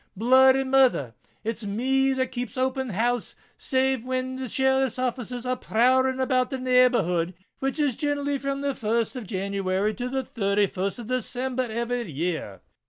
Blood and murther! it's me that keeps open house save whin the sheriff's officers are prowling about the neighbourhood, which is generally from the 1st of January to the 31st of December in every year."